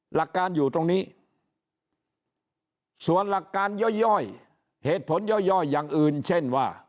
หลักการอยู่ตรงนี้ส่วนหลักการย่อยเหตุผลย่อยอย่างอื่นเช่นว่า